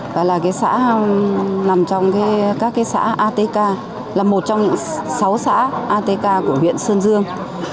và là xã nằm trong các xã atk là một trong sáu xã atk của huyện sơn dương